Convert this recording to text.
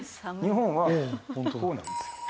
日本はここなんですよ。